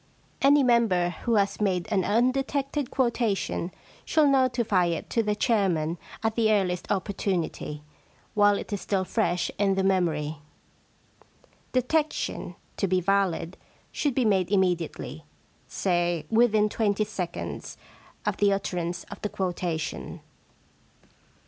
Any member who has made an undetected quota tion should notify it to the chairman at the earliest opportunity, while it is still fresh in the memory. * Detection, to be valid, should be made immediately — say, within twenty seconds of the utterance of the quotation.